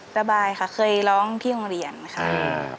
สบายค่ะเคยร้องที่โรงเรียนค่ะ